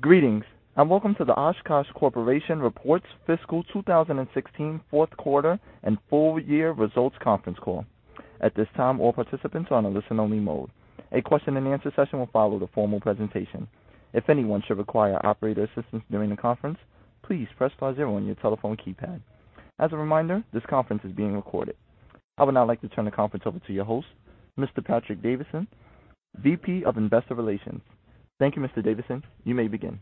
Greetings, and welcome to the Oshkosh Corporation Reports Fiscal 2016 Fourth Quarter and Full Year Results Conference Call. At this time, all participants are on a listen-only mode. A question-and-answer session will follow the formal presentation. If anyone should require operator assistance during the conference, please press star zero on your telephone keypad. As a reminder, this conference is being recorded. I would now like to turn the conference over to your host, Mr. Patrick Davidson, VP of Investor Relations. Thank you, Mr. Davidson. You may begin.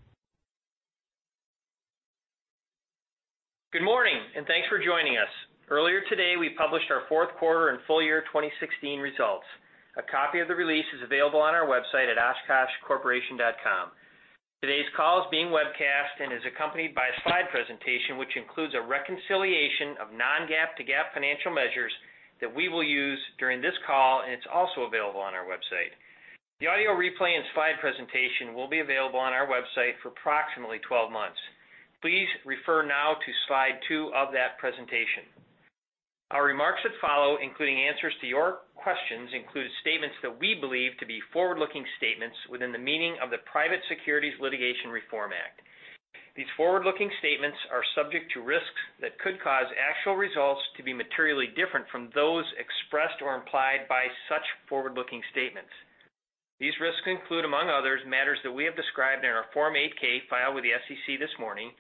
Good morning, and thanks for joining us. Earlier today, we published our fourth quarter and full year 2016 results. A copy of the release is available on our website at oshkoshcorporation.com. Today's call is being webcast and is accompanied by a slide presentation, which includes a reconciliation of non-GAAP to GAAP financial measures that we will use during this call, and it's also available on our website. The audio replay and slide presentation will be available on our website for approximately 12 months. Please refer now to Slide two of that presentation. Our remarks that follow, including answers to your questions, include statements that we believe to be forward-looking statements within the meaning of the Private Securities Litigation Reform Act. These forward-looking statements are subject to risks that could cause actual results to be materially different from those expressed or implied by such forward-looking statements. These risks include, among others, matters that we have described in our Form 8-K filed with the SEC this morning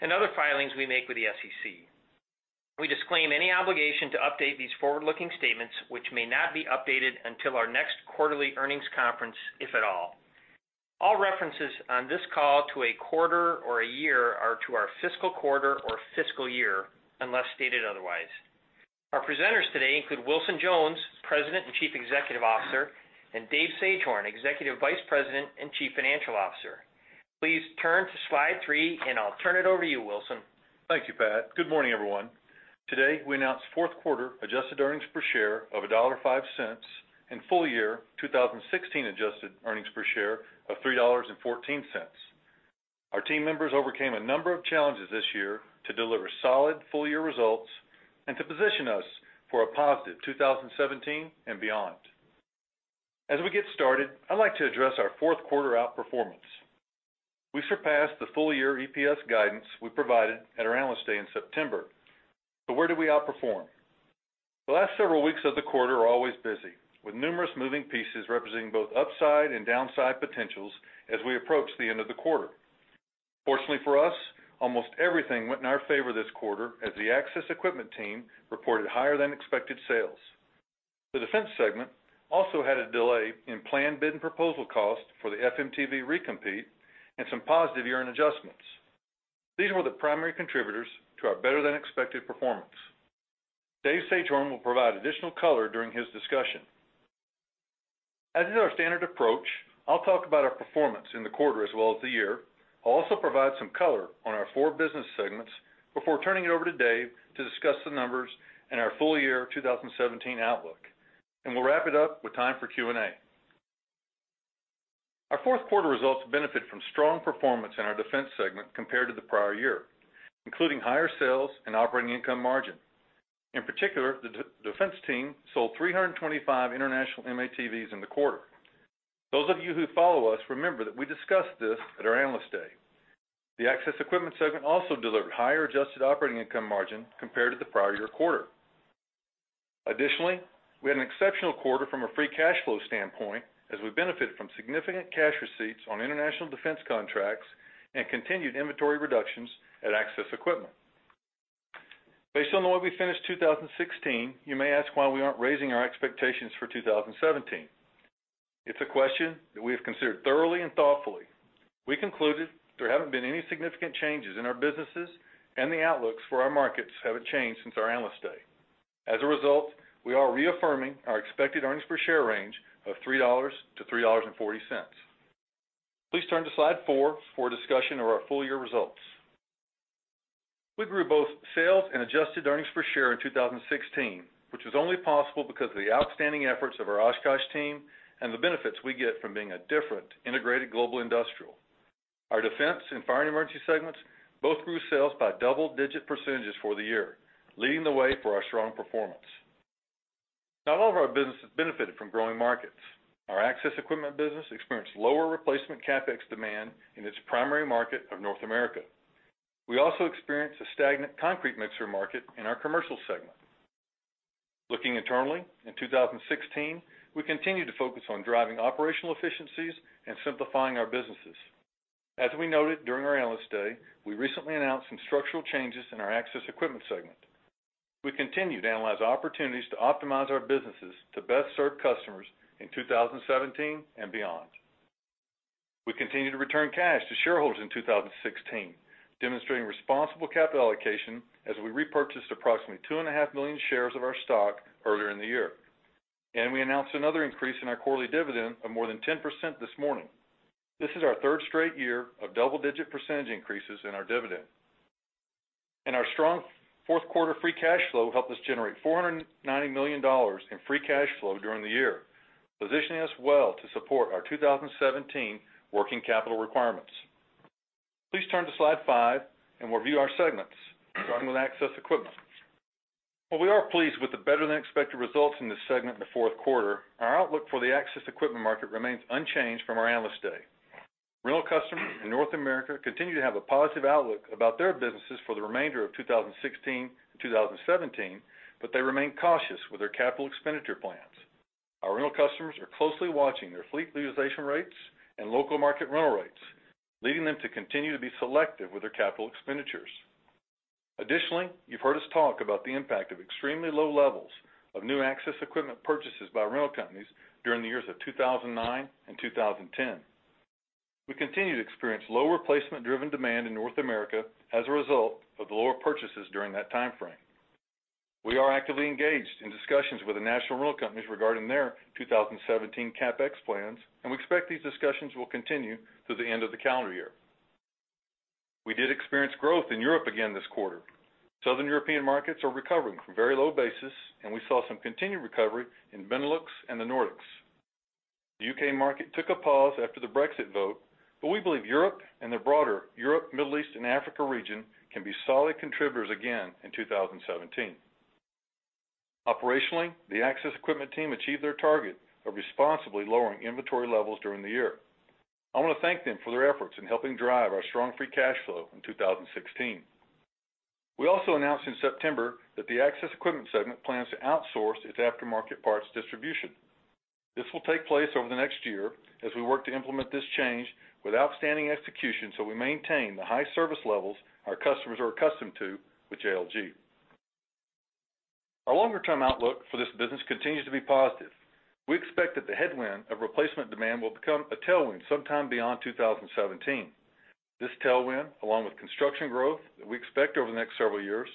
and other filings we make with the SEC. We disclaim any obligation to update these forward-looking statements, which may not be updated until our next quarterly earnings conference, if at all. All references on this call to a quarter or a year are to our fiscal quarter or fiscal year, unless stated otherwise. Our presenters today include Wilson Jones, President and Chief Executive Officer, and Dave Sagehorn, Executive Vice President and Chief Financial Officer. Please turn to Slide three, and I'll turn it over to you, Wilson. Thank you, Pat. Good morning, everyone. Today, we announced fourth quarter adjusted earnings per share of $1.05 and full-year 2016 adjusted earnings per share of $3.14. Our team members overcame a number of challenges this year to deliver solid full-year results and to position us for a positive 2017 and beyond. As we get started, I'd like to address our fourth quarter outperformance. We surpassed the full-year EPS guidance we provided at our Analyst Day in September. But where did we outperform? The last several weeks of the quarter are always busy, with numerous moving pieces representing both upside and downside potentials as we approach the end of the quarter. Fortunately for us, almost everything went in our favor this quarter as the Access Equipment team reported higher-than-expected sales. The Defense segment also had a delay in planned bid and proposal costs for the FMTV recompete and some positive year-end adjustments. These were the primary contributors to our better-than-expected performance. Dave Sagehorn will provide additional color during his discussion. As is our standard approach, I'll talk about our performance in the quarter as well as the year. I'll also provide some color on our four business segments before turning it over to Dave to discuss the numbers and our full year 2017 outlook, and we'll wrap it up with time for Q&A. Our fourth quarter results benefit from strong performance in our Defense segment compared to the prior year, including higher sales and operating income margin. In particular, the Defense team sold 325 international M-ATVs in the quarter. Those of you who follow us remember that we discussed this at our Analyst Day. The Access Equipment segment also delivered higher adjusted operating income margin compared to the prior year quarter. Additionally, we had an exceptional quarter from a free cash flow standpoint, as we benefited from significant cash receipts on international defense contracts and continued inventory reductions at Access Equipment. Based on the way we finished 2016, you may ask why we aren't raising our expectations for 2017. It's a question that we have considered thoroughly and thoughtfully. We concluded there haven't been any significant changes in our businesses, and the outlooks for our markets haven't changed since our Analyst Day. As a result, we are reaffirming our expected earnings per share range of $3 to $3.40. Please turn to Slide four for a discussion of our full year results. We grew both sales and adjusted earnings per share in 2016, which was only possible because of the outstanding efforts of our Oshkosh team and the benefits we get from being a different, integrated global industrial. Our Defense and Fire & Emergency segments both grew sales by double-digit percentages for the year, leading the way for our strong performance. Not all of our businesses benefited from growing markets. Our Access Equipment business experienced lower replacement CapEx demand in its primary market of North America. We also experienced a stagnant concrete mixer market in our Commercial segment. Looking internally, in 2016, we continued to focus on driving operational efficiencies and simplifying our businesses. As we noted during our Analyst Day, we recently announced some structural changes in our Access Equipment segment. We continue to analyze opportunities to optimize our businesses to best serve customers in 2017 and beyond. We continued to return cash to shareholders in 2016, demonstrating responsible capital allocation as we repurchased approximately 2.5 million shares of our stock earlier in the year. We announced another increase in our quarterly dividend of more than 10% this morning. This is our third straight year of double-digit percentage increases in our dividend. Our strong fourth quarter free cash flow helped us generate $490 million in free cash flow during the year, positioning us well to support our 2017 working capital requirements. Please turn to Slide five, and we'll view our segments, starting with Access Equipment. Well, we are pleased with the better-than-expected results in this segment in the fourth quarter. Our outlook for the access equipment market remains unchanged from our Analyst Day. Rental customers in North America continue to have a positive outlook about their businesses for the remainder of 2016 to 2017, but they remain cautious with their capital expenditure plans. Our rental customers are closely watching their fleet utilization rates and local market rental rates, leading them to continue to be selective with their capital expenditures. Additionally, you've heard us talk about the impact of extremely low levels of new access equipment purchases by rental companies during the years of 2009 and 2010. We continue to experience low replacement-driven demand in North America as a result of the lower purchases during that time frame. We are actively engaged in discussions with the national rental companies regarding their 2017 CapEx plans, and we expect these discussions will continue through the end of the calendar year. We did experience growth in Europe again this quarter. Southern European markets are recovering from very low bases, and we saw some continued recovery in Benelux and the Nordics. The U.K. market took a pause after the Brexit vote, but we believe Europe and the broader Europe, Middle East, and Africa region can be solid contributors again in 2017. Operationally, the Access Equipment team achieved their target of responsibly lowering inventory levels during the year. I want to thank them for their efforts in helping drive our strong free cash flow in 2016. We also announced in September that the Access Equipment segment plans to outsource its aftermarket parts distribution. This will take place over the next year as we work to implement this change with outstanding execution, so we maintain the high service levels our customers are accustomed to with JLG. Our longer-term outlook for this business continues to be positive. We expect that the headwind of replacement demand will become a tailwind sometime beyond 2017. This tailwind, along with construction growth that we expect over the next several years,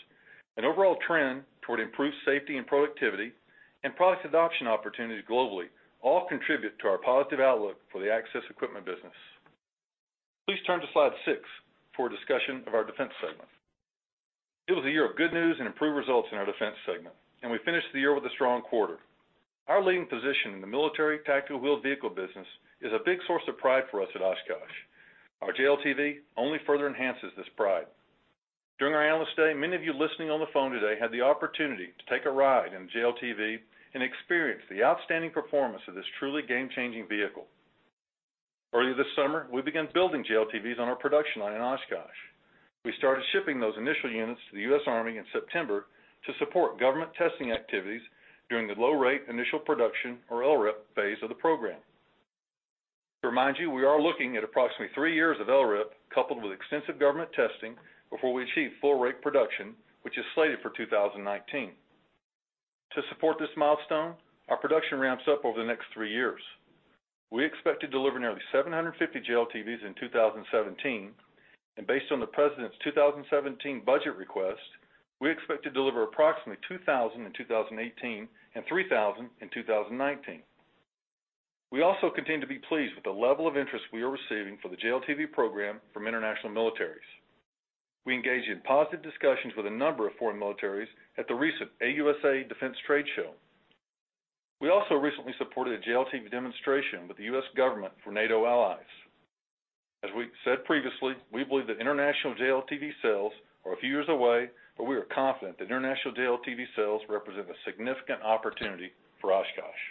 an overall trend toward improved safety and productivity, and product adoption opportunities globally, all contribute to our positive outlook for the access equipment business. Please turn to Slide six for a discussion of our Defense segment. It was a year of good news and improved results in our Defense segment, and we finished the year with a strong quarter. Our leading position in the military tactical wheeled vehicle business is a big source of pride for us at Oshkosh. Our JLTV only further enhances this pride. During our Analyst Day, many of you listening on the phone today had the opportunity to take a ride in a JLTV and experience the outstanding performance of this truly game-changing vehicle. Earlier this summer, we began building JLTVs on our production line in Oshkosh. We started shipping those initial units to the U.S. Army in September to support government testing activities during the low-rate initial production, or LRIP, phase of the program. To remind you, we are looking at approximately three years of LRIP, coupled with extensive government testing, before we achieve full-rate production, which is slated for 2019. To support this milestone, our production ramps up over the next three years. We expect to deliver nearly 750 JLTVs in 2017, and based on the president's 2017 budget request, we expect to deliver approximately 2,000 in 2018 and 3,000 in 2019. We also continue to be pleased with the level of interest we are receiving for the JLTV program from international militaries. We engaged in positive discussions with a number of foreign militaries at the recent AUSA Defense Trade Show. We also recently supported a JLTV demonstration with the U.S. government for NATO allies. As we've said previously, we believe that international JLTV sales are a few years away, but we are confident that international JLTV sales represent a significant opportunity for Oshkosh.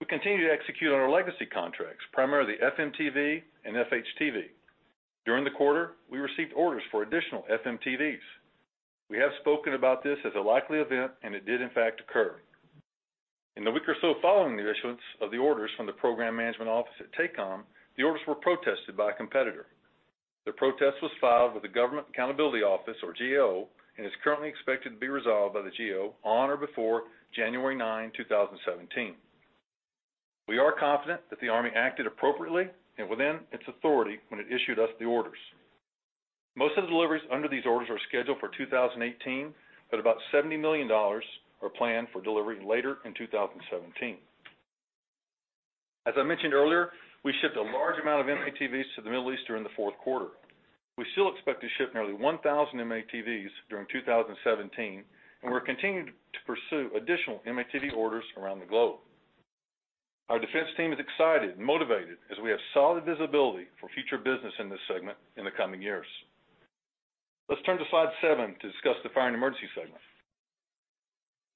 We continue to execute on our legacy contracts, primarily FMTV and FHTV. During the quarter, we received orders for additional FMTVs. We have spoken about this as a likely event, and it did, in fact, occur. In the week or so following the issuance of the orders from the Program Management Office at TACOM, the orders were protested by a competitor. The protest was filed with the Government Accountability Office, or GAO, and is currently expected to be resolved by the GAO on or before January 9, 2017. We are confident that the Army acted appropriately and within its authority when it issued us the orders. Most of the deliveries under these orders are scheduled for 2018, but about $70 million are planned for delivery later in 2017. As I mentioned earlier, we shipped a large amount of M-ATVs to the Middle East during the fourth quarter. We still expect to ship nearly 1,000 M-ATVs during 2017, and we're continuing to pursue additional M-ATV orders around the globe. Our Defense team is excited and motivated as we have solid visibility for future business in this segment in the coming years. Let's turn to Slide seven to discuss the Fire and Emergency segment.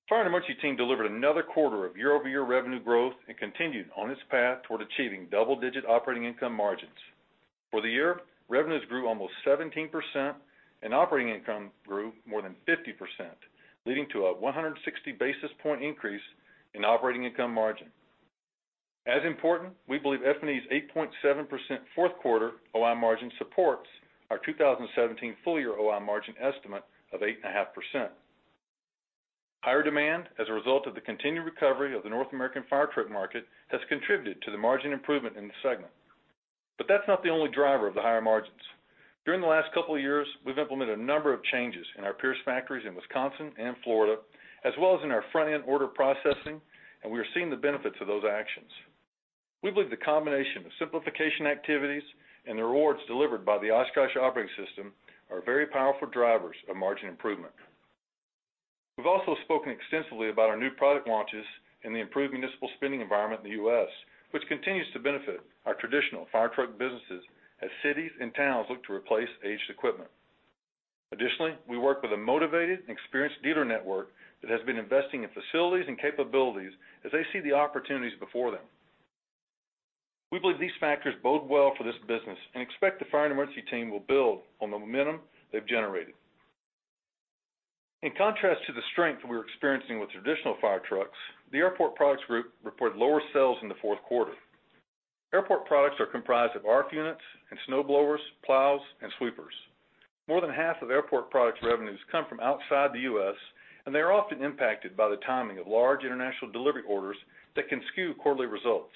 Fire and Emergency team delivered another quarter of year-over-year revenue growth and continued on its path toward achieving double-digit operating income margins. For the year, revenues grew almost 17% and operating income grew more than 50%, leading to a 160 basis point increase in operating income margin. As important, we believe F&E's 8.7% fourth quarter OI margin supports our 2017 full-year OI margin estimate of 8.5%. Higher demand as a result of the continued recovery of the North American fire truck market has contributed to the margin improvement in the segment. But that's not the only driver of the higher margins. During the last couple of years, we've implemented a number of changes in our Pierce factories in Wisconsin and Florida, as well as in our front-end order processing, and we are seeing the benefits of those actions. We believe the combination of simplification activities and the rewards delivered by the Oshkosh Operating System are very powerful drivers of margin improvement.... We've also spoken extensively about our new product launches and the improved municipal spending environment in the U.S., which continues to benefit our traditional fire truck businesses as cities and towns look to replace aged equipment. Additionally, we work with a motivated and experienced dealer network that has been investing in facilities and capabilities as they see the opportunities before them. We believe these factors bode well for this business and expect the Fire and Emergency team will build on the momentum they've generated. In contrast to the strength we're experiencing with traditional fire trucks, the Airport Products Group reported lower sales in the fourth quarter. Airport Products are comprised of ARFF units and snowblowers, plows, and sweepers. More than half of Airport Products' revenues come from outside the U.S., and they are often impacted by the timing of large international delivery orders that can skew quarterly results.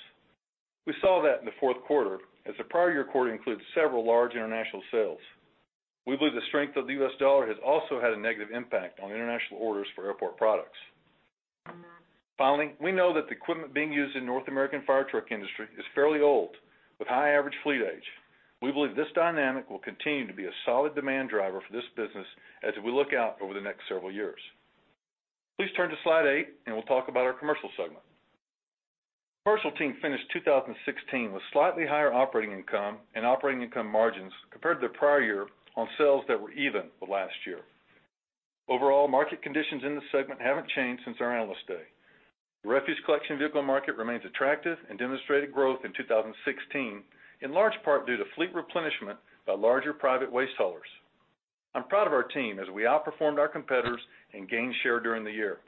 We saw that in the fourth quarter, as the prior year quarter included several large international sales. We believe the strength of the U.S. dollar has also had a negative impact on international orders for Airport Products. Finally, we know that the equipment being used in North American fire truck industry is fairly old, with high average fleet age. We believe this dynamic will continue to be a solid demand driver for this business as we look out over the next several years. Please turn to Slide eight, and we'll talk about our Commercial segment. Commercial team finished 2016 with slightly higher operating income and operating income margins compared to the prior year on sales that were even with last year. Overall, market conditions in this segment haven't changed since our Analyst Day. The refuse collection vehicle market remains attractive and demonstrated growth in 2016, in large part due to fleet replenishment by larger private waste haulers. I'm proud of our team as we outperformed our competitors and gained share during the year.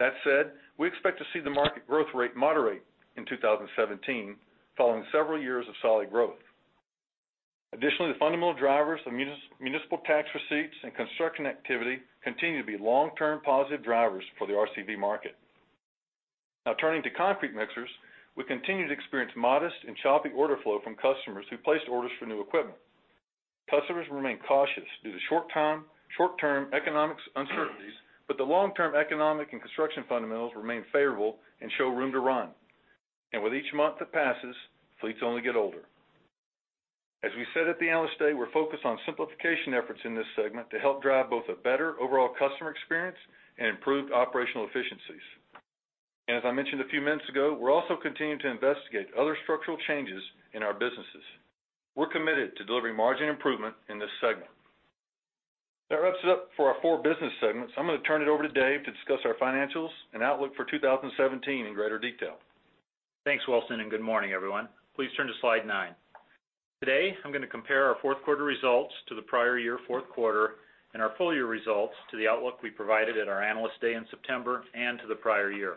That said, we expect to see the market growth rate moderate in 2017, following several years of solid growth. Additionally, the fundamental drivers of municipal tax receipts and construction activity continue to be long-term positive drivers for the RCV market. Now turning to concrete mixers, we continue to experience modest and choppy order flow from customers who placed orders for new equipment. Customers remain cautious due to short-term, short-term economics uncertainties, but the long-term economic and construction fundamentals remain favorable and show room to run. With each month that passes, fleets only get older. As we said at the Analyst Day, we're focused on simplification efforts in this segment to help drive both a better overall customer experience and improved operational efficiencies. As I mentioned a few minutes ago, we're also continuing to investigate other structural changes in our businesses. We're committed to delivering margin improvement in this segment. That wraps it up for our four business segments. I'm going to turn it over to Dave to discuss our financials and outlook for 2017 in greater detail. Thanks, Wilson, and good morning, everyone. Please turn to Slide nine. Today, I'm going to compare our fourth quarter results to the prior year fourth quarter and our full year results to the outlook we provided at our Analyst Day in September and to the prior year.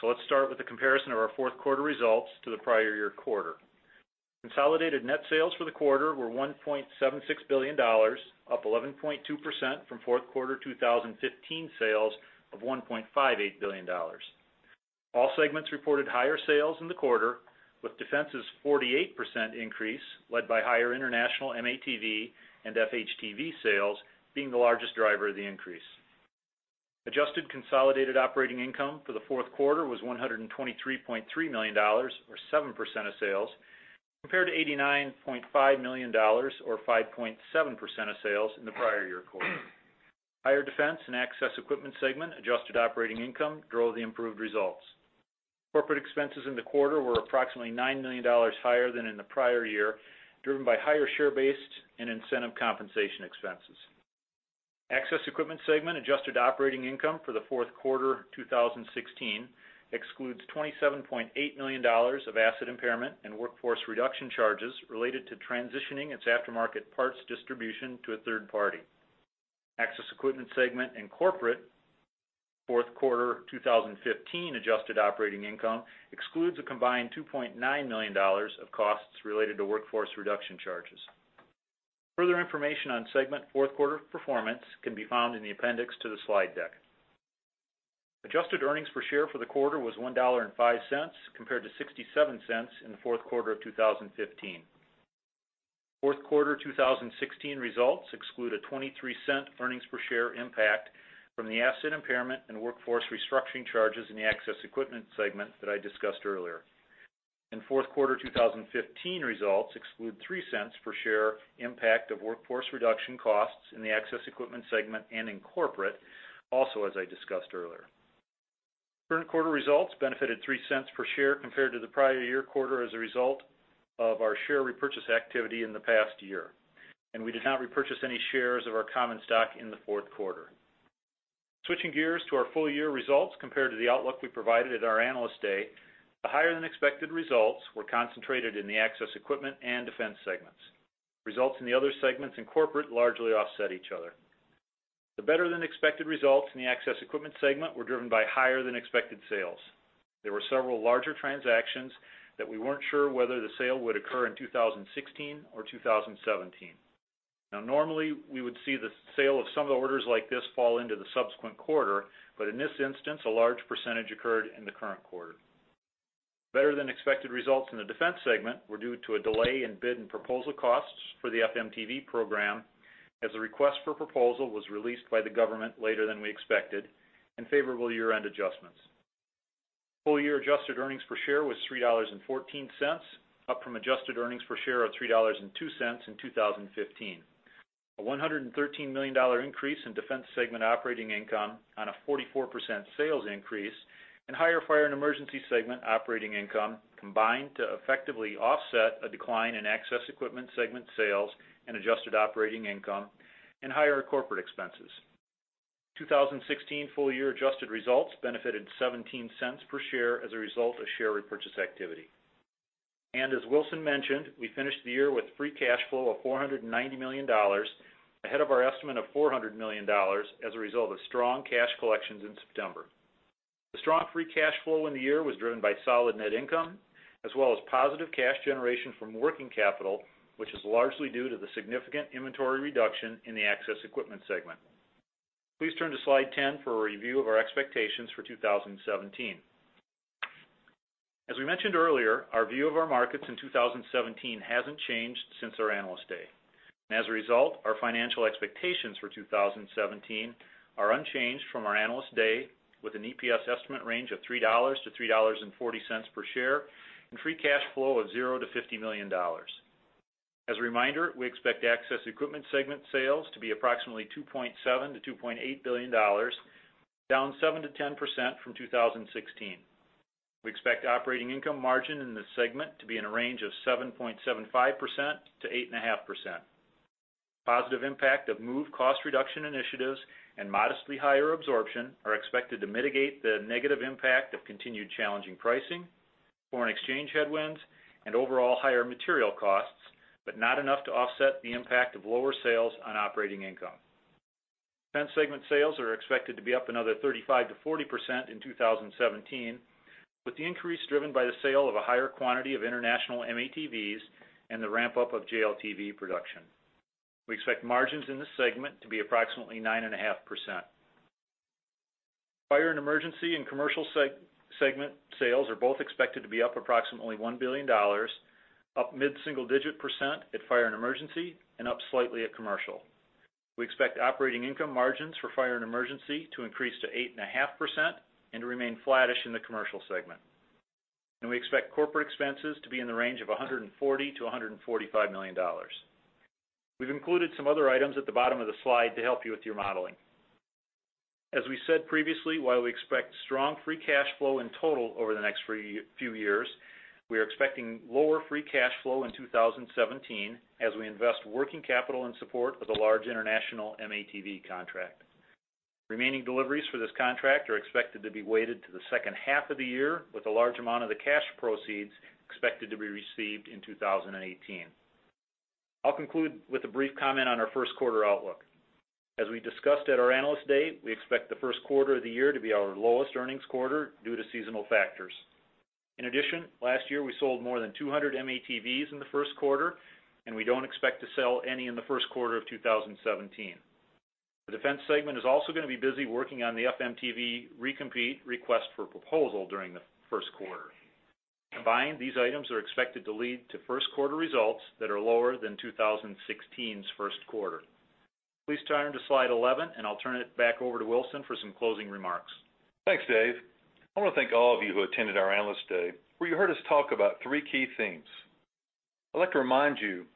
So let's start with the comparison of our fourth quarter results to the prior year quarter. Consolidated net sales for the quarter were $1.76 billion, up 11.2% from fourth quarter 2015 sales of $1.58 billion. All segments reported higher sales in the quarter, with Defense's 48% increase, led by higher international M-ATV and FHTV sales, being the largest driver of the increase. Adjusted consolidated operating income for the fourth quarter was $123.3 million, or 7% of sales, compared to $89.5 million, or 5.7% of sales in the prior year quarter. Higher Defense and Access Equipment segment adjusted operating income drove the improved results. Corporate expenses in the quarter were approximately $9 million higher than in the prior year, driven by higher share-based and incentive compensation expenses. Access Equipment segment adjusted operating income for the fourth quarter 2016 excludes $27.8 million of asset impairment and workforce reduction charges related to transitioning its aftermarket parts distribution to a third party. Access Equipment segment and Corporate fourth quarter 2015 adjusted operating income excludes a combined $2.9 million of costs related to workforce reduction charges. Further information on segment fourth quarter performance can be found in the appendix to the slide deck. Adjusted earnings per share for the quarter was $1.05, compared to $0.67 in the fourth quarter of 2015. Fourth quarter 2016 results exclude a $0.23 earnings per share impact from the asset impairment and workforce restructuring charges in the Access Equipment segment that I discussed earlier. Fourth quarter 2015 results exclude $0.03 per share impact of workforce reduction costs in the Access Equipment segment and in Corporate, also, as I discussed earlier. Current quarter results benefited $0.03 per share compared to the prior year quarter as a result of our share repurchase activity in the past year, and we did not repurchase any shares of our common stock in the fourth quarter. Switching gears to our full year results compared to the outlook we provided at our Analyst Day, the higher-than-expected results were concentrated in the Access Equipment and Defense segments. Results in the other segments in Corporate largely offset each other. The better-than-expected results in the Access Equipment segment were driven by higher-than-expected sales. There were several larger transactions that we weren't sure whether the sale would occur in 2016 or 2017. Now, normally, we would see the sale of some of the orders like this fall into the subsequent quarter, but in this instance, a large percentage occurred in the current quarter. Better-than-expected results in the Defense segment were due to a delay in bid and proposal costs for the FMTV program, as the request for proposal was released by the government later than we expected, and favorable year-end adjustments. Full year adjusted earnings per share was $3.14, up from adjusted earnings per share of $3.02 in 2015. A $113 million increase in Defense segment operating income on a 44% sales increase and higher Fire and Emergency segment operating income combined to effectively offset a decline in Access Equipment segment sales and adjusted operating income and higher corporate expenses. 2016 full-year adjusted results benefited $0.17 per share as a result of share repurchase activity. As Wilson mentioned, we finished the year with free cash flow of $490 million, ahead of our estimate of $400 million as a result of strong cash collections in September. The strong free cash flow in the year was driven by solid net income, as well as positive cash generation from working capital, which is largely due to the significant inventory reduction in the Access Equipment segment. Please turn to Slide 10 for a review of our expectations for 2017. As we mentioned earlier, our view of our markets in 2017 hasn't changed since our Analyst Day. And as a result, our financial expectations for 2017 are unchanged from our Analyst Day, with an EPS estimate range of $3 to $3.40 per share, and free cash flow of $0 to $50 million. As a reminder, we expect Access Equipment segment sales to be approximately $2.7 billion-$2.8 billion, down 7%-10% from 2016. We expect operating income margin in this segment to be in a range of 7.75%-8.5%. Positive impact of MOVE cost reduction initiatives and modestly higher absorption are expected to mitigate the negative impact of continued challenging pricing, foreign exchange headwinds, and overall higher material costs, but not enough to offset the impact of lower sales on operating income. Defense segment sales are expected to be up another 35%-40% in 2017, with the increase driven by the sale of a higher quantity of international M-ATVs and the ramp-up of JLTV production. We expect margins in this segment to be approximately 9.5%. Fire and Emergency and Commercial segment sales are both expected to be up approximately $1 billion, up mid-single-digit % at Fire and Emergency, and up slightly at Commercial. We expect operating income margins for Fire and Emergency to increase to 8.5% and to remain flattish in the Commercial segment. And we expect corporate expenses to be in the range of $140 million-$145 million. We've included some other items at the bottom of the slide to help you with your modeling. As we said previously, while we expect strong free cash flow in total over the next few years, we are expecting lower free cash flow in 2017 as we invest working capital and support of a large international M-ATV contract. Remaining deliveries for this contract are expected to be weighted to the second half of the year, with a large amount of the cash proceeds expected to be received in 2018. I'll conclude with a brief comment on our first quarter outlook. As we discussed at our Analyst Day, we expect the first quarter of the year to be our lowest earnings quarter due to seasonal factors. In addition, last year, we sold more than 200 M-ATVs in the first quarter, and we don't expect to sell any in the first quarter of 2017. The Defense segment is also gonna be busy working on the FMTV recompete request for proposal during the first quarter. Combined, these items are expected to lead to first quarter results that are lower than 2016's first quarter. Please turn to Slide 11, and I'll turn it back over to Wilson for some closing remarks. Thanks, Dave. I want to thank all of you who attended our Analyst Day, where you heard us talk about three key themes. I'd like to remind you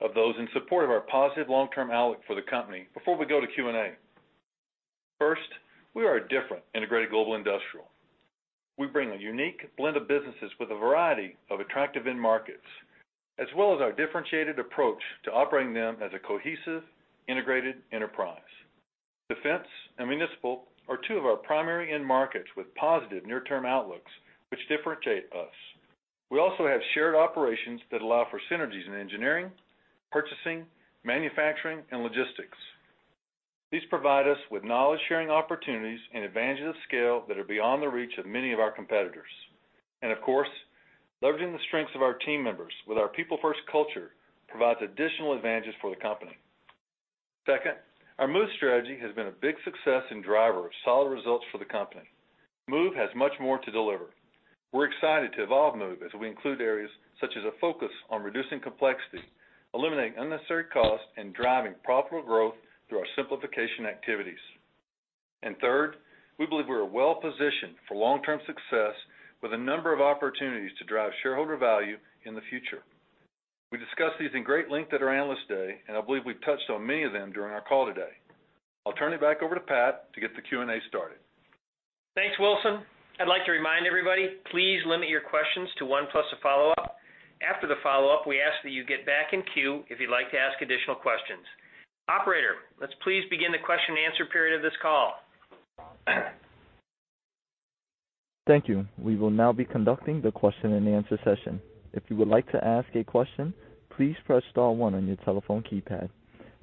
of those in support of our positive long-term outlook for the company before we go to Q&A. First, we are a different integrated global industrial. We bring a unique blend of businesses with a variety of attractive end markets, as well as our differentiated approach to operating them as a cohesive, integrated enterprise. Defense and municipal are two of our primary end markets with positive near-term outlooks, which differentiate us. We also have shared operations that allow for synergies in engineering, purchasing, manufacturing, and logistics. These provide us with knowledge-sharing opportunities and advantages of scale that are beyond the reach of many of our competitors. Of course, leveraging the strengths of our team members with our people-first culture provides additional advantages for the company. Second, our MOVE strategy has been a big success and driver of solid results for the company. MOVE has much more to deliver. We're excited to evolve MOVE as we include areas such as a focus on reducing complexity, eliminating unnecessary costs, and driving profitable growth through our simplification activities. And third, we believe we are well positioned for long-term success with a number of opportunities to drive shareholder value in the future. We discussed these in great length at our Analyst Day, and I believe we've touched on many of them during our call today. I'll turn it back over to Pat to get the Q&A started. Thanks, Wilson. I'd like to remind everybody, please limit your questions to one plus a follow-up. After the follow-up, we ask that you get back in queue if you'd like to ask additional questions. Operator, let's please begin the question and answer period of this call. Thank you. We will now be conducting the question and answer session. If you would like to ask a question, please press star one on your telephone keypad.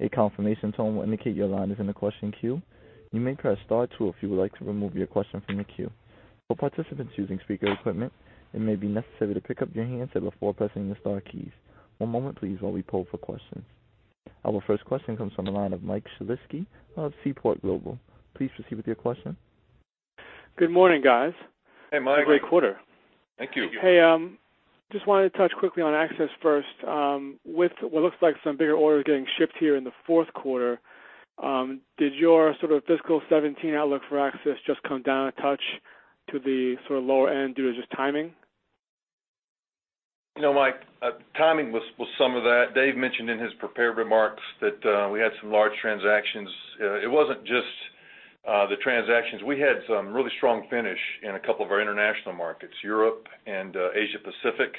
A confirmation tone will indicate your line is in the question queue. You may press star two if you would like to remove your question from the queue. For participants using speaker equipment, it may be necessary to pick up your handset before pressing the star keys. One moment, please, while we poll for questions. Our first question comes from the line of Mike Shlisky of Seaport Global. Please proceed with your question. Good morning, guys. Hey, Mike. Great quarter. Thank you. Hey, just wanted to touch quickly on access first. With what looks like some bigger orders getting shipped here in the fourth quarter, did your sort of fiscal 2017 outlook for access just come down a touch to the sort of lower end due to just timing? You know, Mike, timing was some of that. Dave mentioned in his prepared remarks that we had some large transactions. It wasn't just the transactions. We had some really strong finish in a couple of our international markets, Europe and Asia Pacific.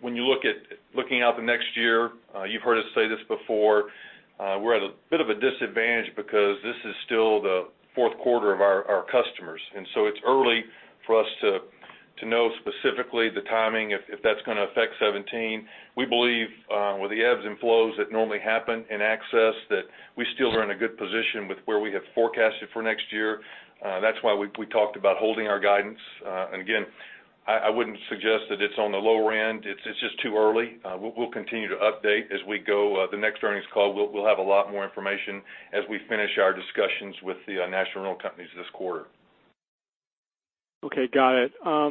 Looking out the next year, you've heard us say this before, we're at a bit of a disadvantage because this is still the fourth quarter of our customers. So it's early for us to know specifically the timing, if that's gonna affect 2017. We believe, with the ebbs and flows that normally happen in access, that we still are in a good position with where we have forecasted for next year. That's why we talked about holding our guidance. And again, I wouldn't suggest that it's on the lower end. It's just too early. We'll continue to update as we go. The next earnings call, we'll have a lot more information as we finish our discussions with the national rental companies this quarter. Okay, got it. I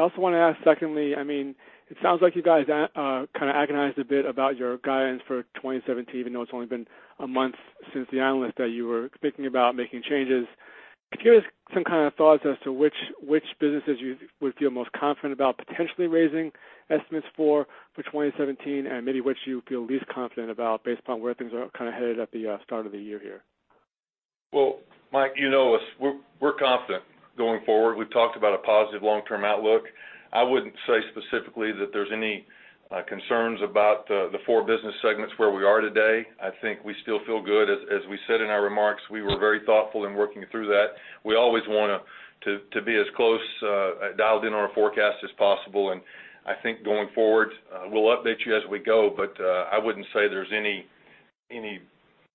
also wanna ask, secondly, I mean, it sounds like you guys kind of agonized a bit about your guidance for 2017, even though it's only been a month since the Analyst Day you were thinking about making changes. I'm curious, some kind of thoughts as to which, which businesses you would feel most confident about potentially raising estimates for, for 2017, and maybe which you feel least confident about based upon where things are kind of headed at the start of the year here. Well, Mike, you know us. We're confident going forward. We've talked about a positive long-term outlook. I wouldn't say specifically that there's any concerns about the four business segments where we are today. I think we still feel good. As we said in our remarks, we were very thoughtful in working through that. We always wanna to be as close dialed in on our forecast as possible, and I think going forward we'll update you as we go. But I wouldn't say there's any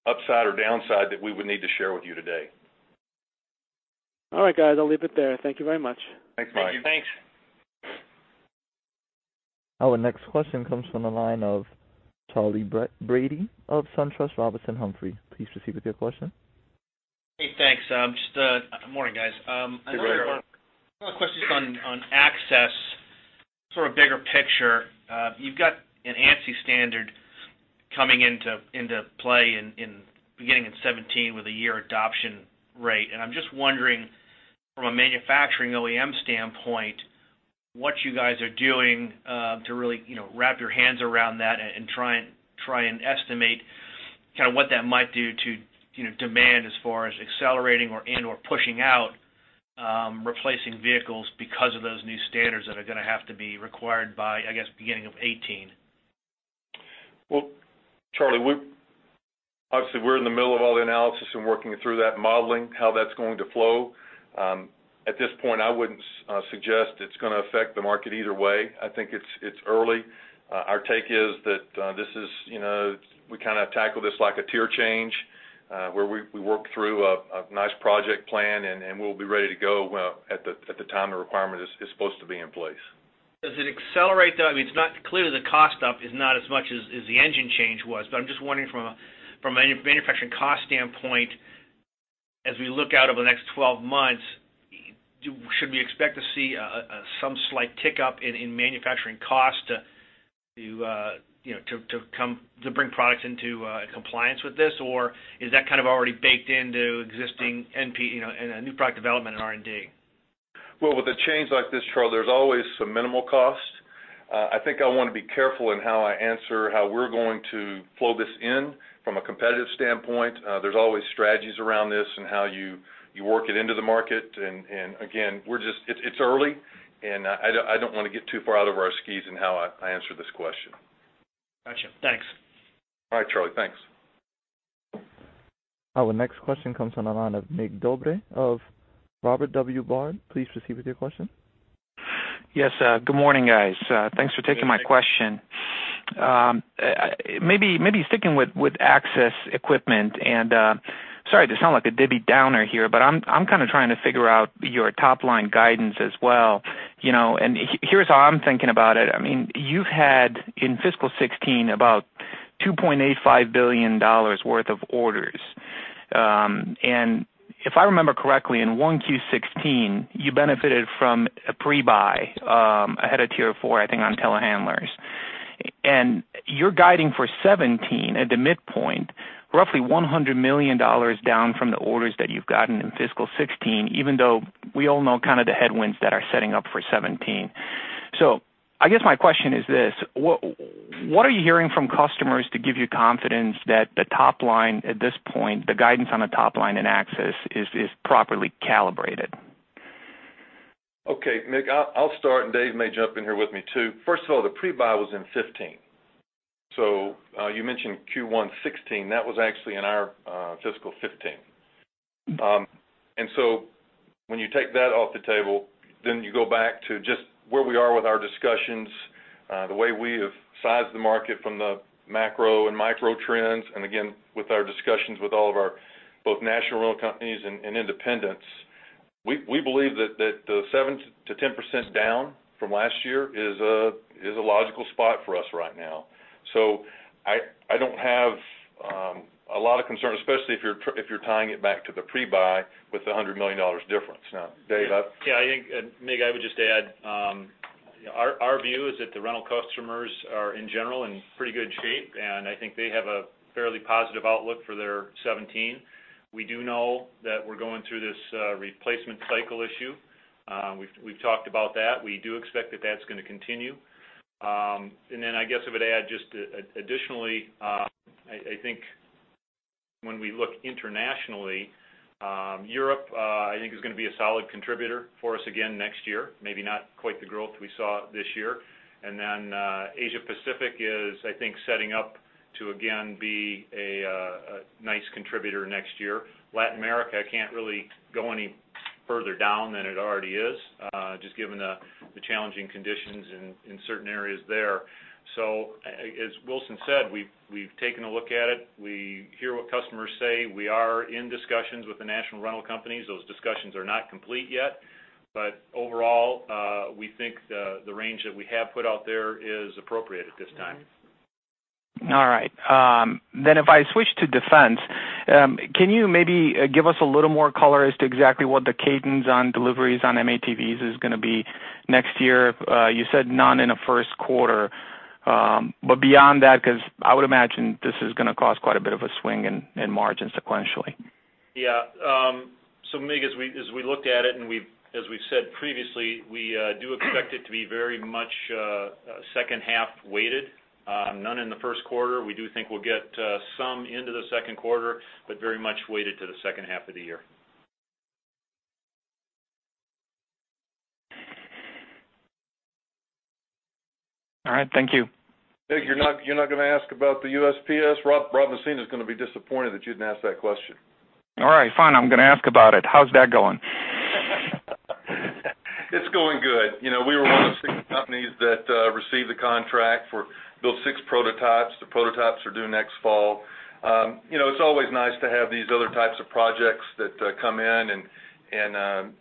upside or downside that we would need to share with you today. All right, guys, I'll leave it there. Thank you very much. Thanks, Mike. Thank you. Thanks. Our next question comes from the line of Charley Brady of SunTrust Robinson Humphrey. Please proceed with your question. Hey, thanks. Good morning, guys. Good morning. My question is on access, sort of bigger picture. You've got an ANSI standard coming into play in beginning in 2017 with a year adoption rate. And I'm just wondering, from a manufacturing OEM standpoint, what you guys are doing to really, you know, wrap your hands around that and try and estimate kind of what that might do to, you know, demand as far as accelerating or in or pushing out replacing vehicles because of those new standards that are gonna have to be required by, I guess, beginning of 2018. Well, Charlie, we're obviously in the middle of all the analysis and working through that modeling, how that's going to flow. At this point, I wouldn't suggest it's gonna affect the market either way. I think it's early. Our take is that this is, you know, we kind a tackle this like a tier change, where we work through a nice project plan, and we'll be ready to go at the time the requirement is supposed to be in place. Does it accelerate, though? I mean, it's not clear the cost up is not as much as the engine change was, but I'm just wondering from a manufacturing cost standpoint, as we look out over the next 12 months, should we expect to see some slight tick up in manufacturing cost to, you know, bring products into compliance with this? Or is that kind of already baked into existing NP, you know, in a new product development in R&D? Well, with a change like this, Charley, there's always some minimal cost. I think I wanna be careful in how I answer, how we're going to flow this in from a competitive standpoint. There's always strategies around this and how you work it into the market. Again, we're just—it's early, and I don't wanna get too far out of our skis in how I answer this question. Gotcha. Thanks. All right, Charlie. Thanks. Our next question comes from the line of Mig Dobre of Robert W. Baird. Please proceed with your question. Yes, good morning, guys. Thanks for taking my question. Maybe sticking with access equipment, and sorry to sound like a Debbie Downer here, but I'm kind of trying to figure out your top-line guidance as well, you know? Here's how I'm thinking about it. I mean, you've had, in fiscal 2016, about $2.85 billion worth of orders. And if I remember correctly, in 1Q 2016, you benefited from a pre-buy ahead of Tier 4, I think, on telehandlers. And you're guiding for 2017 at the midpoint, roughly $100 million down from the orders that you've gotten in fiscal 2016, even though we all know kind of the headwinds that are setting up for 2017. So I guess my question is this: What are you hearing from customers to give you confidence that the top line at this point, the guidance on the top line in access, is properly calibrated? Okay, Mig, I'll start, and Dave may jump in here with me, too. First of all, the pre-buy was in 2015. So, you mentioned Q1 2016, that was actually in our fiscal 2015. And so when you take that off the table, then you go back to just where we are with our discussions, the way we have sized the market from the macro and micro trends, and again, with our discussions with all of our both national rental companies and independents, we believe that the 7%-10% down from last year is a logical spot for us right now. So I don't have a lot of concern, especially if you're tying it back to the pre-buy with the $100 million difference. Yeah, I think, Mig, I would just add, our view is that the rental customers are, in general, in pretty good shape, and I think they have a fairly positive outlook for their 2017. We do know that we're going through this replacement cycle issue. We've talked about that. We do expect that that's going to continue. And then I guess I would add just additionally, I think when we look internationally, Europe, I think is going to be a solid contributor for us again next year, maybe not quite the growth we saw this year. And then, Asia Pacific is, I think, setting up to again be a nice contributor next year. Latin America can't really go any further down than it already is, just given the challenging conditions in certain areas there. So as Wilson said, we've taken a look at it. We hear what customers say. We are in discussions with the national rental companies. Those discussions are not complete yet, but overall, we think the range that we have put out there is appropriate at this time. All right. Then if I switch to defense, can you maybe give us a little more color as to exactly what the cadence on deliveries on M-ATVs is going to be next year? You said none in the first quarter, but beyond that, because I would imagine this is going to cause quite a bit of a swing in margin sequentially. Yeah. So Mig, as we looked at it, and we've said previously, we do expect it to be very much second half weighted, none in the first quarter. We do think we'll get some into the second quarter, but very much weighted to the second half of the year. All right, thank you. Mig, you're not, you're not going to ask about the USPS? Rob, Rob Messina is going to be disappointed that you didn't ask that question. All right, fine. I'm going to ask about it. How's that going? It's going good. You know, we were one of six companies that received the contract for build six prototypes. The prototypes are due next fall. You know, it's always nice to have these other types of projects that come in, and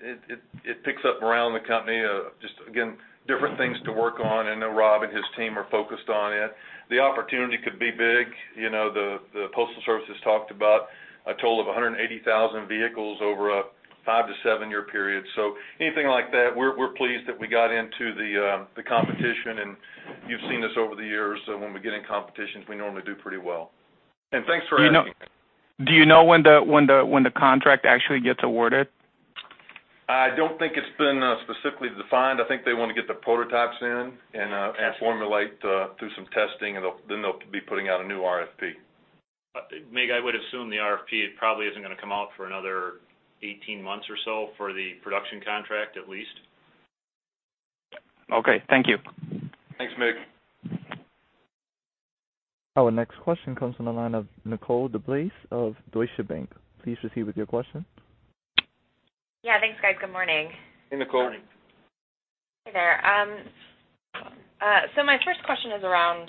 it picks up around the company. Just again, different things to work on, and I know Rob and his team are focused on it. The opportunity could be big. You know, the Postal Service has talked about a total of 180,000 vehicles over a five to seven year period. So anything like that, we're pleased that we got into the competition, and you've seen this over the years, so when we get in competitions, we normally do pretty well. And thanks for asking. Do you know when the contract actually gets awarded? I don't think it's been specifically defined. I think they want to get the prototypes in and, Yes... and formulate through some testing, and then they'll be putting out a new RFP. Mig, I would assume the RFP probably isn't going to come out for another 18 months or so for the production contract, at least. Okay, thank you. Thanks, Mig. Our next question comes from the line of Nicole DeBlase of Deutsche Bank. Please proceed with your question. Yeah, thanks, guys. Good morning. Hey, Nicole. Morning. Hey there. So my first question is around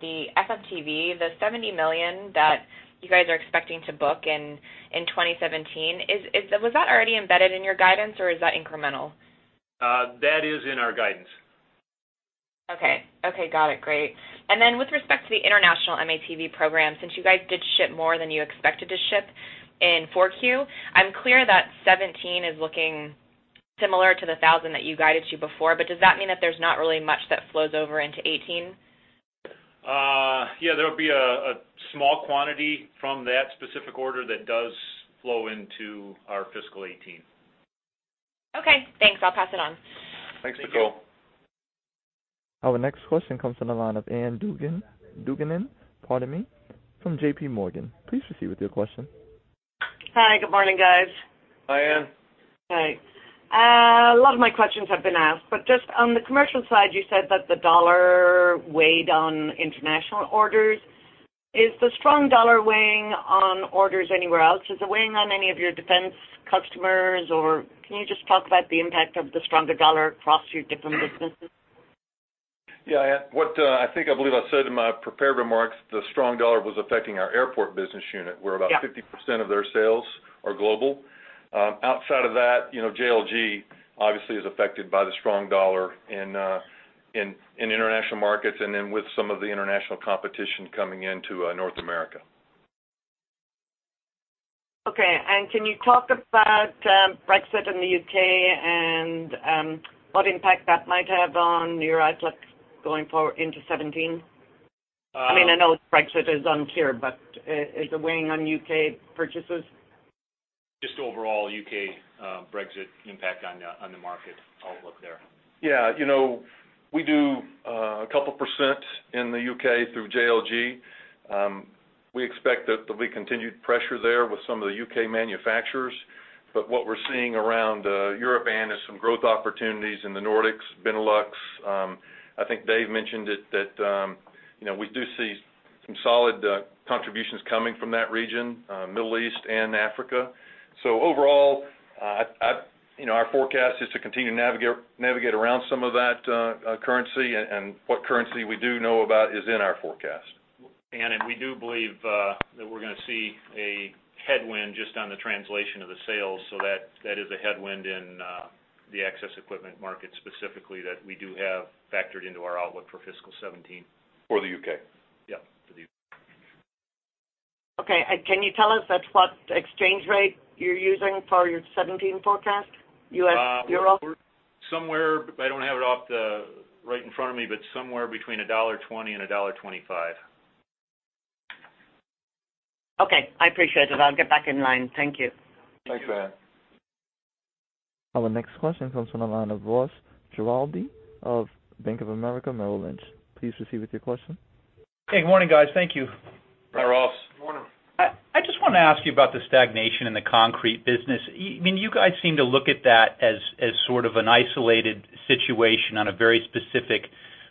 the FMTV, the $70 million that you guys are expecting to book in 2017. Was that already embedded in your guidance, or is that incremental? That is in our guidance. Okay. Okay, got it. Great. And then with respect to the international M-ATV program, since you guys did ship more than you expected to ship in 4Q, I'm clear that 2017 is looking similar to the 1,000 that you guided to before, but does that mean that there's not really much that flows over into 2018? Yeah, there'll be a small quantity from that specific order that does flow into our fiscal 2018. Okay, thanks. I'll pass it on. Thanks, Nicole. Our next question comes from the line of Ann Duignan, pardon me, from JPMorgan. Please proceed with your question. Hi, good morning, guys. Hi, Ann. Hi. A lot of my questions have been asked, but just on the commercial side, you said that the U.S. dollar weighed on international orders. Is the strong US dollar weighing on orders anywhere else? Is it weighing on any of your defense customers, or can you just talk about the impact of the stronger US dollar across your different businesses? Yeah, Ann, I think I believe I said in my prepared remarks, the strong dollar was affecting our airport business unit- Yeah - where about 50% of their sales are global. Outside of that, you know, JLG obviously is affected by the strong dollar in international markets and then with some of the international competition coming into North America. Okay. Can you talk about Brexit in the U.K. and what impact that might have on your outlook going forward into 2017? I mean, I know Brexit is unclear, but is it weighing on U.K. purchases? Just overall U.K. Brexit impact on the market outlook there? Yeah. You know, we do a couple% in the U.K. through JLG. We expect that there'll be continued pressure there with some of the U.K. manufacturers, but what we're seeing around Europe and is some growth opportunities in the Nordics, Benelux. I think Dave mentioned it, that you know, we do see some solid contributions coming from that region, Middle East and Africa. So overall, I you know, our forecast is to continue to navigate, navigate around some of that currency, and what currency we do know about is in our forecast. Ann, we do believe that we're going to see a headwind just on the translation of the sales, so that, that is a headwind in the access equipment market specifically that we do have factored into our outlook for fiscal 2017. For the U.K.? Yep, for the U.K. Okay. And can you tell us at what exchange rate you're using for your 17 forecast? U.S. Euro? We're somewhere, but I don't have it right in front of me, but somewhere between $1.20 and $1.25. Okay, I appreciate it. I'll get back in line. Thank you. Thanks, Anne. Our next question comes from the line of Ross Gilardi of Bank of America Merrill Lynch. Please proceed with your question. Hey, good morning, guys. Thank you. Hi, Ross. Good morning. I just want to ask you about the stagnation in the concrete business. I mean, you guys seem to look at that as sort of an isolated situation on a very specific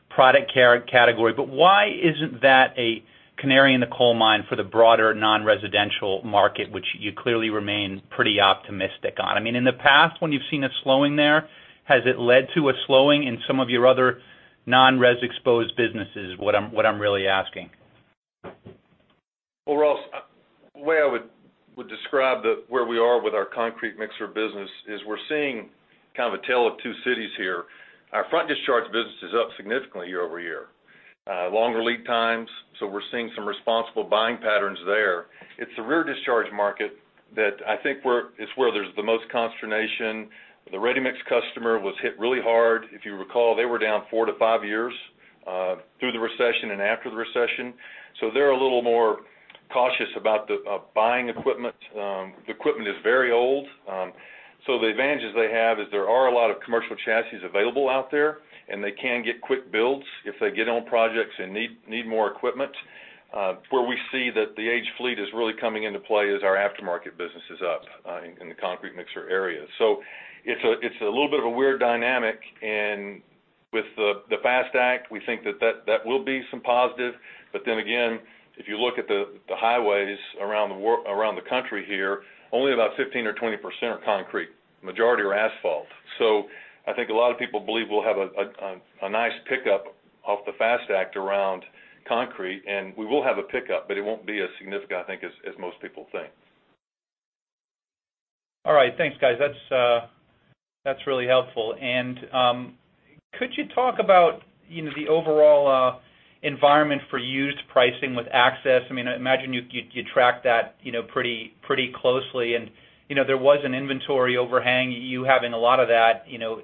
product category. But why isn't that a canary in the coal mine for the broader non-residential market, which you clearly remain pretty optimistic on? I mean, in the past, when you've seen a slowing there, has it led to a slowing in some of your other non-res exposed businesses, is what I'm really asking? Well, Ross, the way I would describe where we are with our concrete mixer business is we're seeing kind of a tale of two cities here. Our front discharge business is up significantly year over year. Longer lead times, so we're seeing some responsible buying patterns there. It's the rear discharge market that I think where it's where there's the most consternation. The ready-mix customer was hit really hard. If you recall, they were down four to five years through the recession and after the recession, so they're a little more cautious about the buying equipment. The equipment is very old. So the advantages they have is there are a lot of commercial chassis available out there, and they can get quick builds if they get on projects and need more equipment. Where we see that the aged fleet is really coming into play is our aftermarket business is up in the concrete mixer area. So it's a little bit of a weird dynamic, and with the FAST Act, we think that will be some positive. But then again, if you look at the highways around the country here, only about 15 or 20% are concrete. Majority are asphalt. So I think a lot of people believe we'll have a nice pickup off the FAST Act around concrete, and we will have a pickup, but it won't be as significant, I think, as most people think. All right. Thanks, guys. That's really helpful. And could you talk about, you know, the overall environment for used pricing with access? I mean, I imagine you track that, you know, pretty closely. And, you know, there was an inventory overhang, you having a lot of that, you know,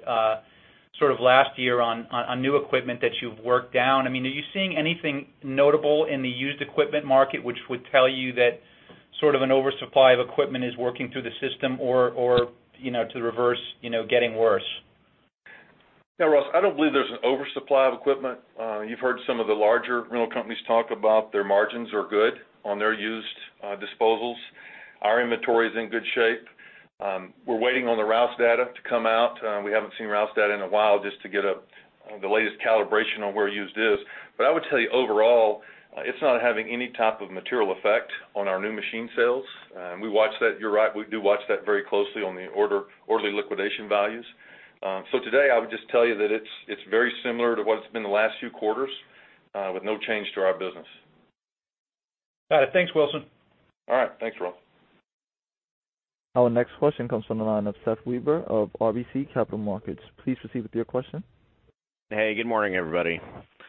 sort of last year on new equipment that you've worked down. I mean, are you seeing anything notable in the used equipment market, which would tell you that sort of an oversupply of equipment is working through the system or, you know, to the reverse, you know, getting worse? Yeah, Ross, I don't believe there's an oversupply of equipment. You've heard some of the larger rental companies talk about their margins are good on their used disposals. Our inventory is in good shape. We're waiting on the Rouse data to come out. We haven't seen Rouse data in a while just to get the latest calibration on where used is. But I would tell you, overall, it's not having any type of material effect on our new machine sales, and we watch that. You're right, we do watch that very closely on the orderly liquidation values. So today, I would just tell you that it's very similar to what it's been the last few quarters with no change to our business. Thanks, Wilson. All right, thanks, Ross. Our next question comes from the line of Seth Weber of RBC Capital Markets. Please proceed with your question. Hey, good morning, everybody.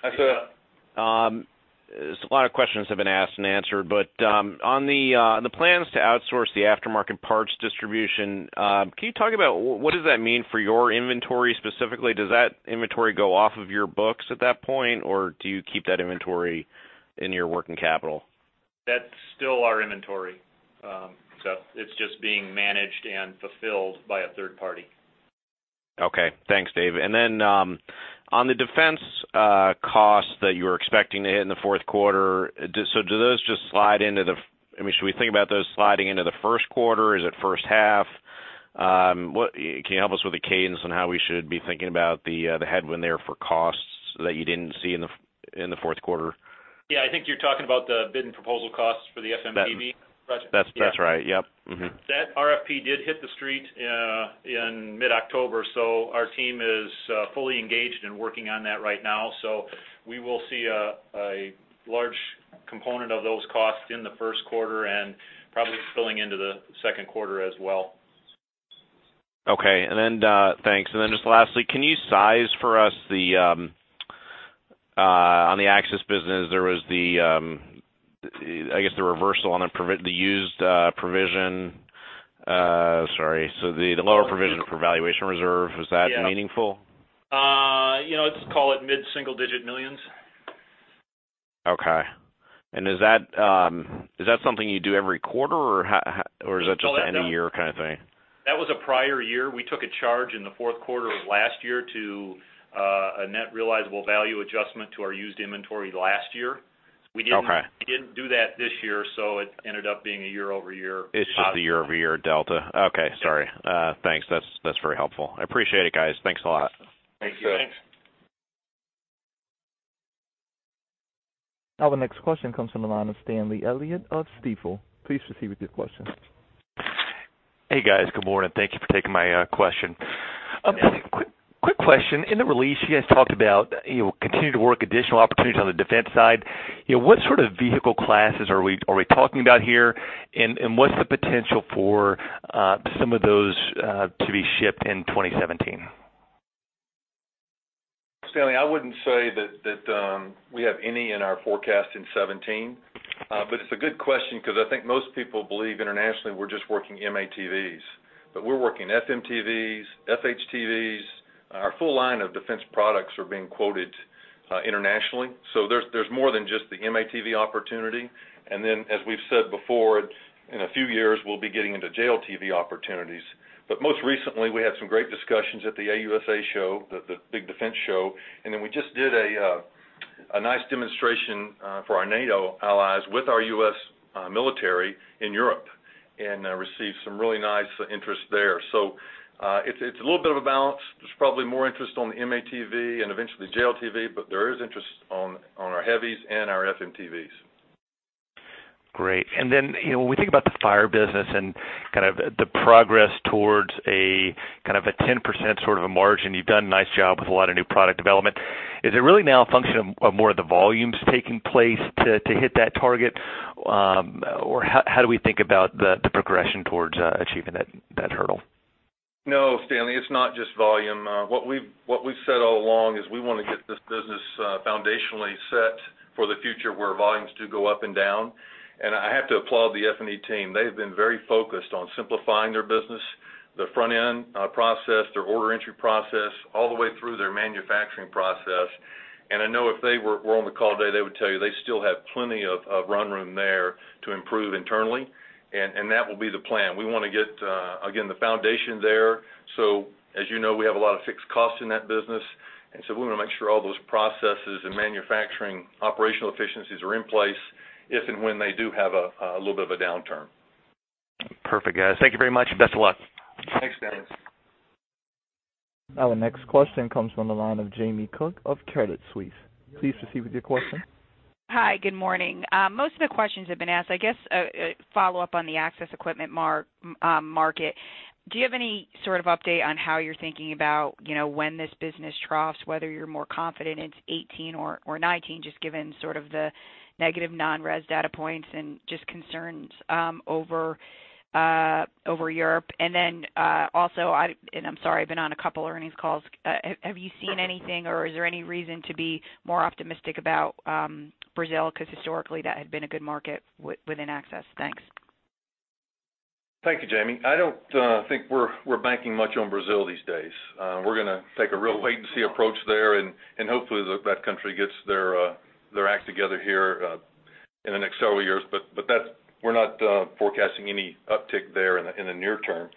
Hi, Seth. So a lot of questions have been asked and answered, but on the plans to outsource the aftermarket parts distribution, can you talk about what does that mean for your inventory specifically? Does that inventory go off of your books at that point, or do you keep that inventory in your working capital? That's still our inventory. So it's just being managed and fulfilled by a third party. Okay. Thanks, Dave. And then, on the defense costs that you're expecting to hit in the fourth quarter, so do those just slide into the... I mean, should we think about those sliding into the first quarter? Is it first half? What, can you help us with the cadence on how we should be thinking about the headwind there for costs that you didn't see in the fourth quarter? Yeah, I think you're talking about the bid and proposal costs for the FMTV project. That's right. Yep. Mm-hmm. That RFP did hit the street in mid-October, so our team is fully engaged in working on that right now. So we will see a large component of those costs in the first quarter and probably spilling into the second quarter as well. Okay. And then, thanks. And then just lastly, can you size for us the, on the Access business, there was the, I guess, the reversal on the provi- the used provision, sorry, so the lower provision for valuation reserve- Yeah. Is that meaningful? you know, let's call it mid-single-digit millions. Okay. And is that, is that something you do every quarter, or how, or is that just- No, that don't. -an end-of-year kind of thing? That was a prior year. We took a charge in the fourth quarter of last year to a net realizable value adjustment to our used inventory last year. Okay. We didn't do that this year, so it ended up being a year-over-year. It's just a year-over-year delta. Yeah. Okay, sorry. Thanks. That's, that's very helpful. I appreciate it, guys. Thanks a lot. Thank you. Thanks. Our next question comes from the line of Stanley Elliott of Stifel. Please proceed with your question. Hey, guys. Good morning. Thank you for taking my question. Quick question. In the release, you guys talked about, you know, continue to work additional opportunities on the defense side. You know, what sort of vehicle classes are we talking about here? And what's the potential for some of those to be shipped in 2017? Stanley, I wouldn't say that we have any in our forecast in 2017. But it's a good question 'cause I think most people believe internationally, we're just working M-ATVs. But we're working FMTVs, FHTVs. Our full line of defense products are being quoted internationally. So there's more than just the M-ATV opportunity. And then, as we've said before, in a few years, we'll be getting into JLTV opportunities. But most recently, we had some great discussions at the AUSA show, the big defense show. And then we just did a nice demonstration for our NATO allies with our U.S. military in Europe, and received some really nice interest there. So it's a little bit of a balance. There's probably more interest on the M-ATV and eventually JLTV, but there is interest on our heavies and our FMTVs. Great. And then, you know, when we think about the fire business and kind of the progress towards a kind of a 10% sort of a margin, you've done a nice job with a lot of new product development. Is it really now a function of more of the volumes taking place to hit that target? Or how do we think about the progression towards achieving that hurdle? No, Stanley, it's not just volume. What we've said all along is we wanna get this business foundationally set for the future, where volumes do go up and down. I have to applaud the F&E team. They've been very focused on simplifying their business, their front end process, their order entry process, all the way through their manufacturing process. I know if they were on the call today, they would tell you they still have plenty of run room there to improve internally, and that will be the plan. We wanna get, again, the foundation there. So as you know, we have a lot of fixed costs in that business, and so we wanna make sure all those processes and manufacturing operational efficiencies are in place if and when they do have a little bit of a downturn. Perfect, guys. Thank you very much, and best of luck. Thanks, Stanley. Our next question comes from the line of Jamie Cook of Credit Suisse. Please proceed with your question. Hi, good morning. Most of the questions have been asked. I guess, a follow-up on the Access Equipment market. Do you have any sort of update on how you're thinking about, you know, when this business troughs, whether you're more confident it's 2018 or 2019, just given sort of the negative non-res data points and just concerns over Europe? And then, also, and I'm sorry, I've been on a couple earnings calls. Have you seen anything, or is there any reason to be more optimistic about Brazil? 'Cause historically, that had been a good market within Access. Thanks. Thank you, Jamie. I don't think we're banking much on Brazil these days. We're gonna take a real wait and see approach there, and hopefully, that country gets their act together here in the next several years. But that's-- we're not forecasting any uptick there in the near term.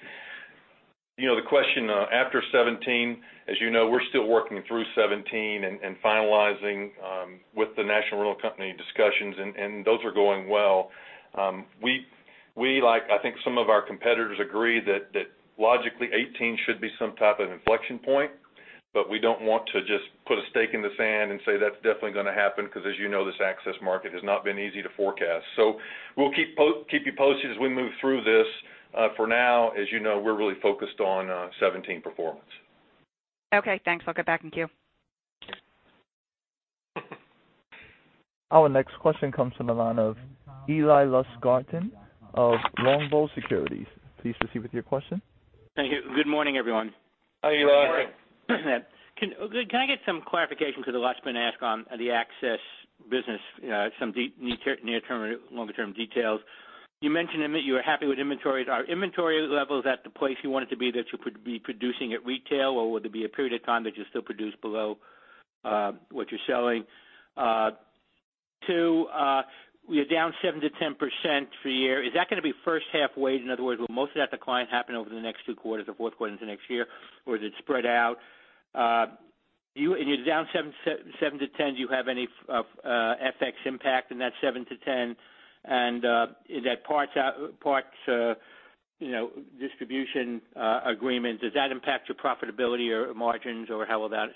You know, the question after 2017, as you know, we're still working through 2017 and finalizing with the national rental company discussions, and those are going well. We, like I think some of our competitors, agree that logically, 2018 should be some type of inflection point, but we don't want to just put a stake in the sand and say that's definitely gonna happen, 'cause as you know, this access market has not been easy to forecast. So we'll keep you posted as we move through this. For now, as you know, we're really focused on 17 performance. Okay, thanks. I'll get back in queue. Our next question comes from the line of Eli Lustgarten of Longbow Securities. Please proceed with your question. Thank you. Good morning, everyone. Hi, Eli. Can I get some clarification on the last question asked on the Access business, some near-term or longer-term details? You mentioned that you were happy with inventories. Are inventory levels at the place you want it to be, that you could be producing at retail, or would there be a period of time that you still produce below what you're selling? Too, you're down 7%-10% for the year. Is that gonna be first half weighted? In other words, will most of that decline happen over the next two quarters or fourth quarter into next year, or is it spread out? And you're down 7%-10%. Do you have any FX impact in that 7%-10%? Is that parts out, parts, you know, distribution agreement, does that impact your profitability or margins, or how will that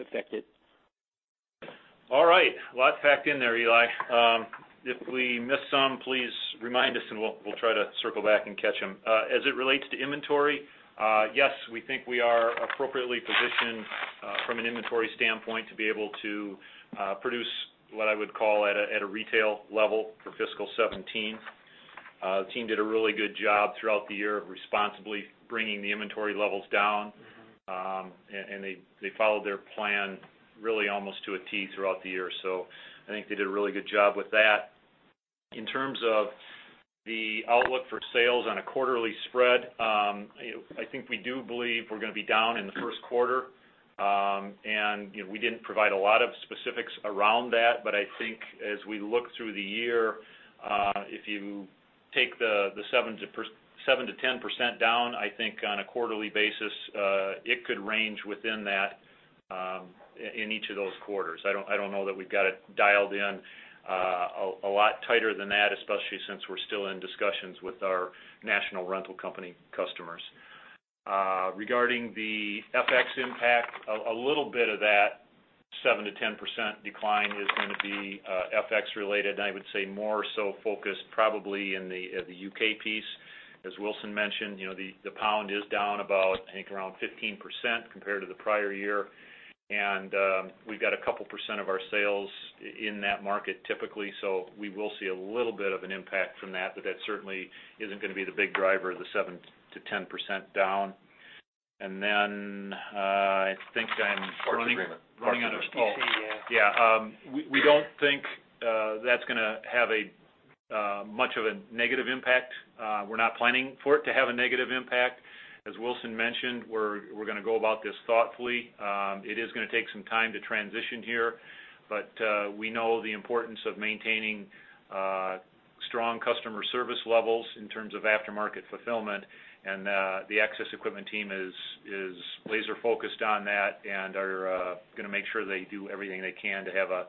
affect it? All right. Lots packed in there, Eli. If we miss some, please remind us, and we'll try to circle back and catch them. As it relates to inventory, yes, we think we are appropriately positioned from an inventory standpoint to be able to produce what I would call at a retail level for fiscal 2017. The team did a really good job throughout the year of responsibly bringing the inventory levels down. And they followed their plan really almost to a T throughout the year. So I think they did a really good job with that. In terms of the outlook for sales on a quarterly spread, I think we do believe we're gonna be down in the first quarter. And, you know, we didn't provide a lot of specifics around that, but I think as we look through the year, if you take the 7%-10% down, I think on a quarterly basis, it could range within that in each of those quarters. I don't know that we've got it dialed in a lot tighter than that, especially since we're still in discussions with our national rental company customers. Regarding the FX impact, a little bit of that- - 7%-10% decline is going to be, FX related, and I would say more so focused probably in the, the U.K. piece. As Wilson mentioned, you know, the pound is down about, I think, around 15% compared to the prior year. And, we've got a couple percent of our sales in that market typically, so we will see a little bit of an impact from that, but that certainly isn't gonna be the big driver of the 7%-10% down. And then, I think I'm- Parts agreement. We don't think that's gonna have much of a negative impact. We're not planning for it to have a negative impact. As Wilson mentioned, we're gonna go about this thoughtfully. It is gonna take some time to transition here, but we know the importance of maintaining strong customer service levels in terms of aftermarket fulfillment. And the Access Equipment team is laser focused on that and are gonna make sure they do everything they can to have a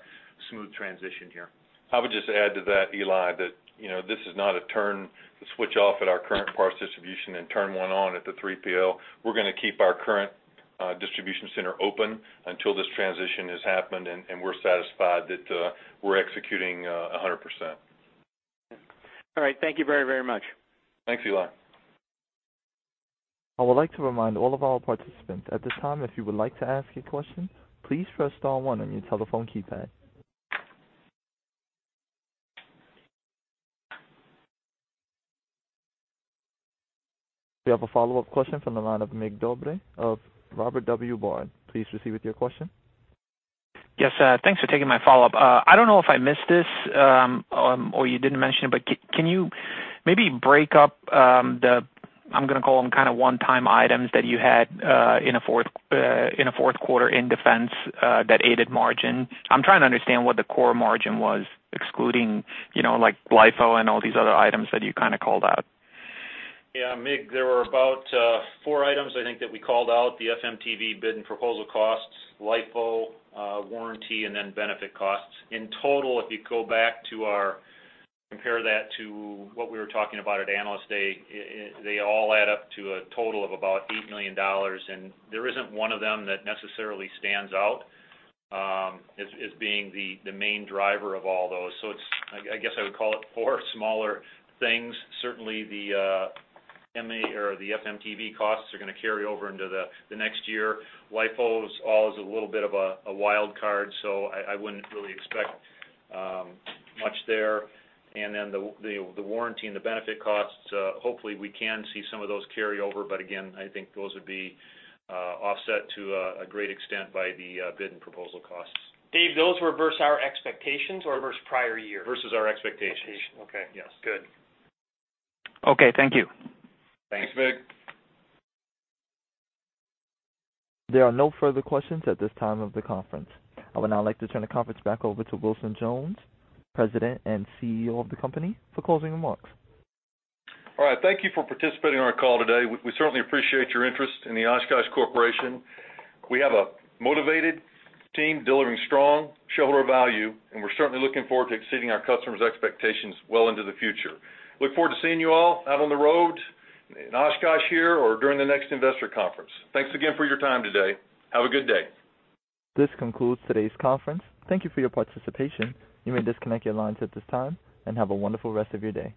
smooth transition here. I would just add to that, Eli, that, you know, this is not a turn the switch off at our current parts distribution and turn one on at the 3PL. We're gonna keep our current distribution center open until this transition has happened, and we're satisfied that we're executing 100%. All right. Thank you very, very much. Thanks, Eli. I would like to remind all of our participants, at this time, if you would like to ask a question, please press star one on your telephone keypad. We have a follow-up question from the line of Mig Dobre of Robert W. Baird. Please proceed with your question. Yes, thanks for taking my follow-up. I don't know if I missed this, or you didn't mention it, but can you maybe break up the, I'm gonna call them, kind of, one-time items that you had in a fourth quarter in defense that aided margin? I'm trying to understand what the core margin was, excluding, you know, like LIFO and all these other items that you kind of called out. Yeah, Mig, there were about four items I think that we called out, the FMTV bid and proposal costs, LIFO, warranty, and then benefit costs. In total, if you go back to our, compare that to what we were talking about at Analyst Day, they all add up to a total of about $8 million. And there isn't one of them that necessarily stands out, as being the main driver of all those. So it's, I guess I would call it four smaller things. Certainly, the M-ATV or the FMTV costs are gonna carry over into the next year. LIFO is always a little bit of a wild card, so I wouldn't really expect much there. And then the warranty and the benefit costs, hopefully, we can see some of those carry over, but again, I think those would be offset to a great extent by the bid and proposal costs. Dave, those were versus our expectations or versus prior year? Versus our expectations. Expectations. Okay. Yes. Good. Okay. Thank you. Thanks, Mig. There are no further questions at this time of the conference. I would now like to turn the conference back over to Wilson Jones, President and CEO of the company, for closing remarks. All right. Thank you for participating on our call today. We certainly appreciate your interest in the Oshkosh Corporation. We have a motivated team delivering strong shareholder value, and we're certainly looking forward to exceeding our customers' expectations well into the future. Look forward to seeing you all out on the road, in Oshkosh here, or during the next investor conference. Thanks again for your time today. Have a good day. This concludes today's conference. Thank you for your participation. You may disconnect your lines at this time, and have a wonderful rest of your day.